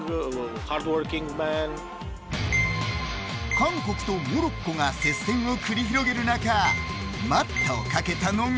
韓国とモロッコが接戦を繰り広げる中待ったをかけたのが。